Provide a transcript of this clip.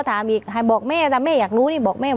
ไอบอกแม่อยากรู้บอกแม่